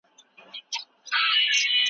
د بوټو مړاوې پاڼې پرې کېږي.